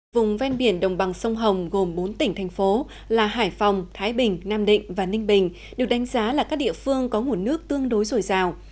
vùng ven biển đồng bằng sông hồng gồm bốn tỉnh thành phố là hải phòng thái bình nam định và ninh bình được đánh giá là các địa phương có nguồn nước tương đối dồi dào